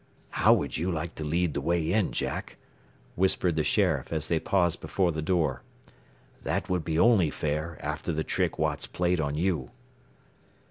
"How would you like to lead the way in, Jack?" whispered the sheriff as they paused before the door. "That would be only fair, after the trick Watts played on you."